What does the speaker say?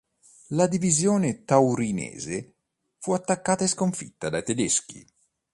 La Divisione Taurinense fu attaccata e sconfitta dai tedeschi.